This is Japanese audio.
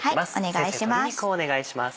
先生鶏肉をお願いします。